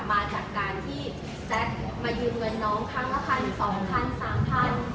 มาจากการที่แซคมายืมเงินน้องครั้งละพันสองพันสามพัน